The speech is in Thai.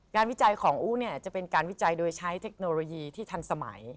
วิจัยของอู้จะเป็นการวิจัยโดยใช้เทคโนโลยีที่ทันสมัย